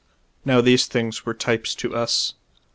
Now these things were ty^ies to us.